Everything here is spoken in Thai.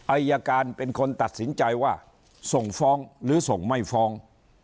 อายการเป็นคนตัดสินใจว่าส่งฟ้องหรือส่งไม่ฟ้อง